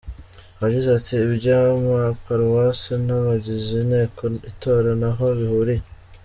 Yagize ati “Iby’amaparuwase n’abagize inteko itora ntaho bihuriye.